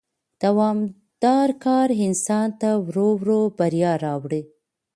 دوامدار کار انسان ته ورو ورو بریا راوړي